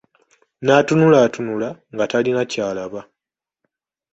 Naatunulatunula nga talina ky'alaba.